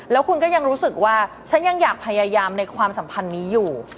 แล้วคุณก็ยังรู้สึกว่าฉันยังอยากพยายามในความสัมพันธ์นี้อยู่